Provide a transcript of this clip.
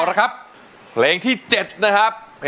ร้องได้ให้ร้องได้